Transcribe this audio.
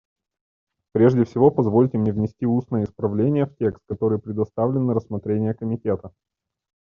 Прежде всего позвольте мне внести устное исправление в текст, который представлен на рассмотрение Комитета.